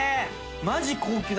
マジ高級だな。